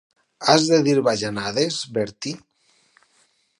Has de dir bajanades, Bertie?